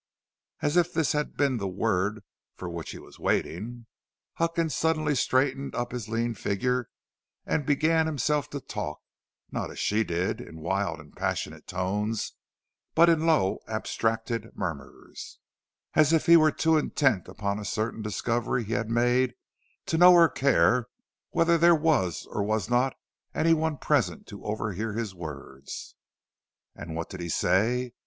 As if this had been the word for which he was waiting, Huckins suddenly straightened up his lean figure and began himself to talk, not as she did, in wild and passionate tones, but in low, abstracted murmurs, as if he were too intent upon a certain discovery he had made to know or care whether there was or was not any one present to overhear his words. And what did he say?